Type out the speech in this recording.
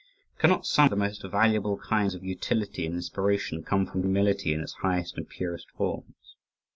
Cannot some of the most valuable kinds of utility and inspiration come from humility in its highest and purest forms?